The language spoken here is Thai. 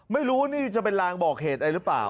ไม่รู้นี่จะเป็นลางบอกเหตุอะไรหรือเปล่า